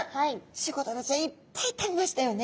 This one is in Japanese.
チゴダラちゃんいっぱい食べましたよね。